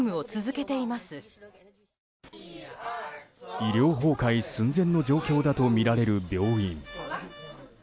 医療崩壊寸前の状況だとみられる病院。